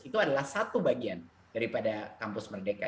itu adalah satu bagian daripada kampus merdeka